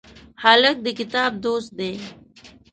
هلک د کتاب دوست دی.